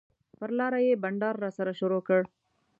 پر لاره یې بنډار راسره شروع کړ.